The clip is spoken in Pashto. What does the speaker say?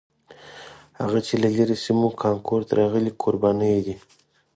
هغه چې له لرې سیمو کانکور ته راغلي کوربانه یې دي.